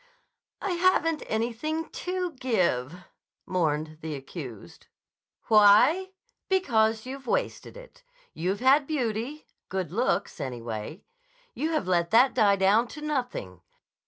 "I haven't anything to give," mourned the accused. "Why? Because you've wasted it. You've had beauty; good looks, anyway. You have let that die down to nothing.